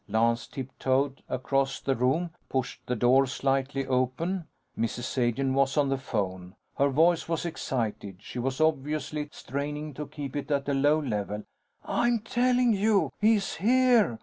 Lance tiptoed across the room, pushed the door slightly open. Mrs. Sagen was on the phone. Her voice was excited; she was obviously straining to keep it at a low level. "I'm telling you, he's here!